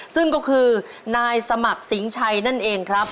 ซึ่งก็คือนายสมัครสิงห์ชัยนั่นเองครับ